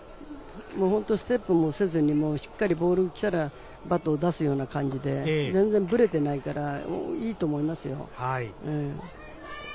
ステップもせずにしっかりとボールが来たらバットを出すような感じで全然ブレていないから非常にいいと思いますよ。